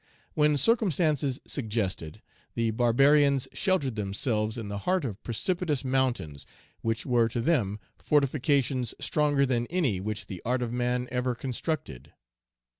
When circumstances suggested, the barbarians sheltered themselves in the heart of precipitous mountains, which were to them fortifications stronger than any which the art of man ever constructed.